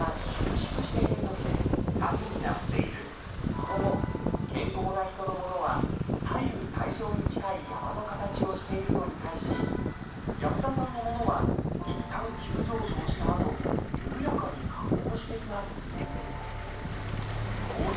その後健康な人のものは左右対称に近い山の形をしているのに対し安田さんのものはいったん急上昇したあと緩やかに下降しています。